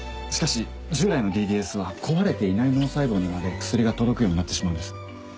しかし従来のＤＤＳは壊れていない脳細胞にまで薬が届くようになってしまうんです。